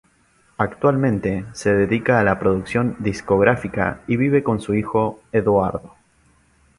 Actualmente se dedica a la producción discográfica y vive con su hijo Edoardo.